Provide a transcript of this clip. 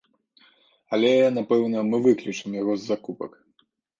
Але, напэўна, мы выключым яго з закупак.